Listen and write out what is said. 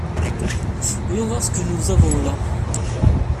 Voyons voir ce que nous avons là!